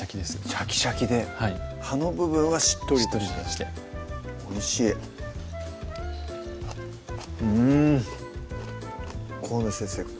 シャキシャキで葉の部分はしっとりとしておいしいうん河野先生